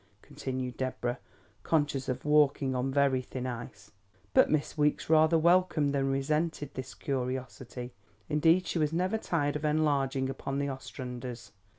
continued Deborah, conscious of walking on very thin ice. But Miss Weeks rather welcomed than resented this curiosity. Indeed she was never tired of enlarging upon the Ostranders.